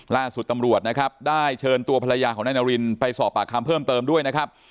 ล่าสุดตำรวจนะครับได้เชิญตัวภรรยาของนายนารินไปสอบปากคำเพิ่มเติมด้วยนะครับ